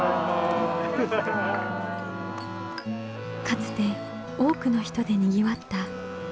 かつて多くの人でにぎわった石見銀山の町。